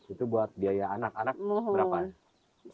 itu buat biaya anak anak berapa